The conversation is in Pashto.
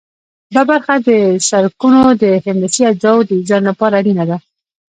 دا برخه د سرکونو د هندسي اجزاوو د ډیزاین لپاره اړینه ده